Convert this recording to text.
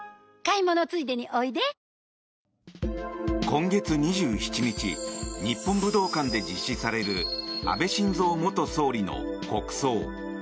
今月２７日日本武道館で実施される安倍晋三元総理の国葬。